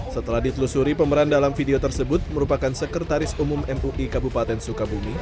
setelah ditelusuri pemeran dalam video tersebut merupakan sekretaris umum mui kabupaten sukabumi